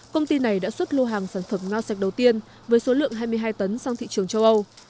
công ty này đã xuất lô hàng sản phẩm ngao sạch đầu tiên với số lượng hai mươi hai tấn sang thị trường châu âu